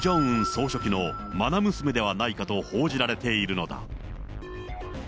総書記のまな娘ではないかと報じられているのだ。